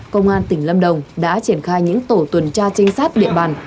công an tỉnh lâm đồng đã triển khai những tổ tuần tra trinh sát địa bàn